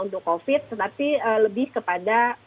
tapi lebih kepada